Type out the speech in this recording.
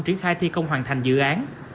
triển khai thi công hoàn thành dự án